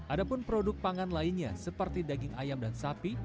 adapun produk pangan lainnya seperti daging ayam dan sapi